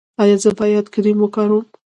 ایا زه باید کریم وکاروم؟